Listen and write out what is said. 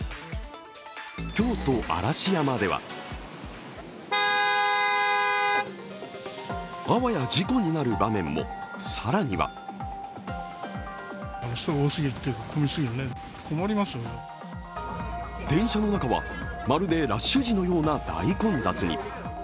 京都・嵐山ではあわや事故になる場面も、更には電車の中はまるでラッシュ時のような大混雑に。